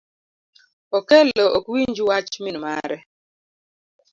Okelo ok winj wach min mare